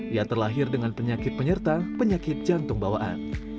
ia terlahir dengan penyakit penyerta penyakit jantung bawaan